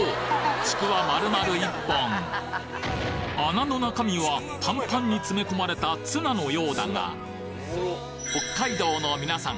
ちくわ丸々１本穴の中身はパンパンに詰め込まれたツナのようだが北海道の皆さん！